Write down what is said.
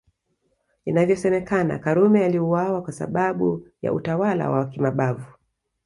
Inavyosemekana Karume aliuawa kwa sababu ya utawala wa kimabavu